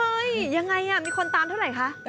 ยังไงมีคนตามเท่าไหร่คะ